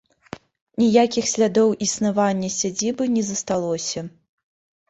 Ніякіх слядоў існавання сядзібы не засталося.